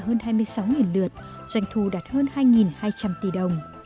quốc tế là hơn hai mươi sáu lượt doanh thù đạt hơn hai hai trăm linh tỷ đồng